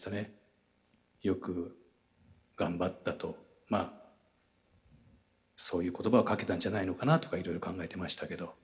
よく頑張ったとまあそういう言葉をかけたんじゃないのかなとかいろいろ考えてましたけど。